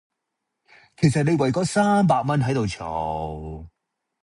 其實你為嗰三百蚊喺度嘈